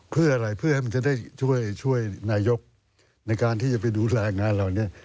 เพื่ออะไรเพื่อให้มันจะได้ช่วยนายกในการที่จะไปดูแลงานเหล่านี้